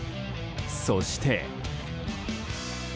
そして。